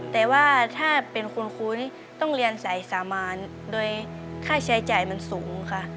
แต่ว่าถ้าเป็นคุ้นต้องเรียนสายสามานโดยค่าใช้จ่ายมันสูงค่ะ